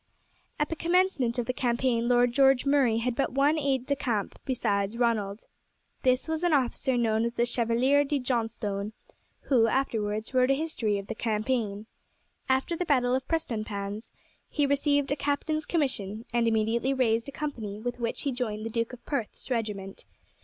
At the commencement of the campaign Lord George Murray had but one aide de camp besides Ronald. This was an officer known as the Chevalier de Johnstone, who afterwards wrote a history of the campaign. After the battle of Prestonpans he received a captain's commission, and immediately raised a company, with which he joined the Duke of Perth's regiment.